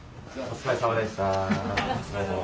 お疲れさまです。